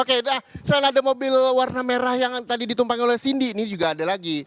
oke nah selain ada mobil warna merah yang tadi ditumpangi oleh cindy ini juga ada lagi